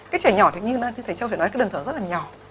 cái trẻ nhỏ thì như thầy châu phải nói cái đường thở rất là nhỏ